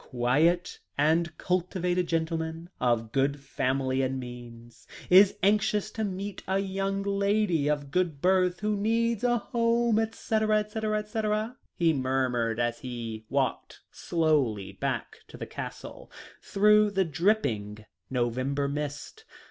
"Quiet and cultivated gentleman of good family and means, is anxious to meet a young lady of good birth who needs a home, etc., etc., etc.," he murmured as he walked slowly back to the Castle through the dripping November mist.